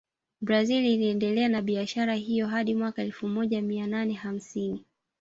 Brazil iliendelea na biashara hiyo hadi mwaka elfu moja mia nane hamsini